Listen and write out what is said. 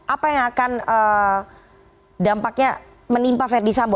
apa yang akan dampaknya menimpa verdi sambo